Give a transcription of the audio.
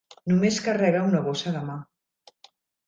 Només carrega una bossa de mà.